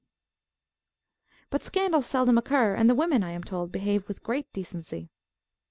But scandals seldom occur, and the women, I am told, behave with great decency.